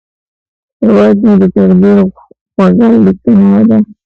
هیواد مې د تقدیر خوږه لیکنه ده